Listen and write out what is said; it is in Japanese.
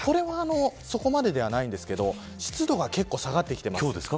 これはそこまでではないんですけど湿度が結構下がってきてます。